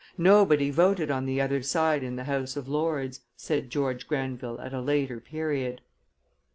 "Nobody voted on the other side in the House of Lords," said George Grenville at a later period.